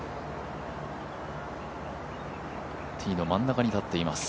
ティーの真ん中に立っています。